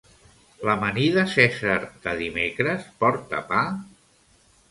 L'amanida Cèsar de dimecres porta pa?